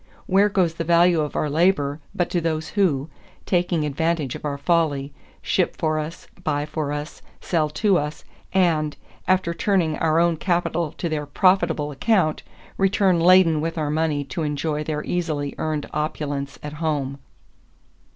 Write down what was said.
Where goes the value of our labor but to those who, taking advantage of our folly, ship for us, buy for us, sell to us, and, after turning our own capital to their profitable account, return laden with our money to enjoy their easily earned opulence at home."